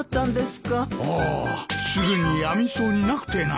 ああすぐにやみそうになくてな。